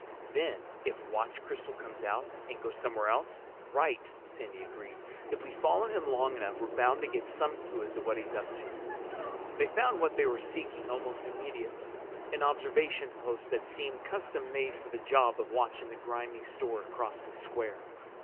Then if Watch Crystal comes out and goes somewhere else—" "Right," Sandy agreed. "If we follow him long enough we're bound to get some clue as to what he's up to." They found what they were seeking almost immediately—an observation post that seemed custom made for the job of watching the grimy store across the square.